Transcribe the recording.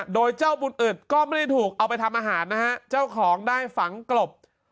โดยเจ้าบุญอึดก็ไม่ได้ถูกเอาไปทำอาหารนะฮะเจ้าของได้ฝังกลบ